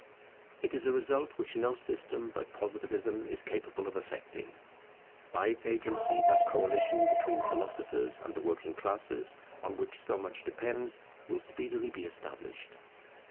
It is a result which no system but Positivism is capable of effecting. By its agency that coalition between philosophers and the working classes, on which so much depends, will speedily be established.